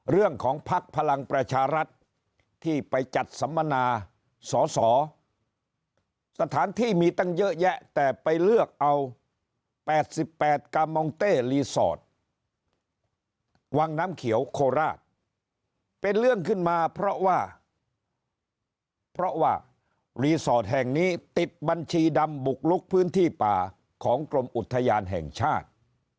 ภักดิ์พลังประชารัฐที่ไปจัดสัมมนาสอสอสถานที่มีตั้งเยอะแยะแต่ไปเลือกเอา๘๘กามองเต้รีสอร์ทวังน้ำเขียวโคราชเป็นเรื่องขึ้นมาเพราะว่าเพราะว่ารีสอร์ทแห่งนี้ติดบัญชีดำบุกลุกพื้นที่ป่าของกรมอุทยานแห่งชาติ